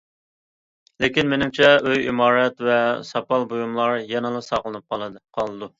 لېكىن، مېنىڭچە، ئۆي- ئىمارەت ۋە ساپال بۇيۇملار يەنىلا ساقلىنىپ قالىدۇ.